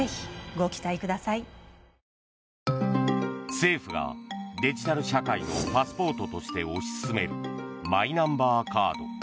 政府がデジタル社会のパスポートとして推し進めるマイナンバーカード。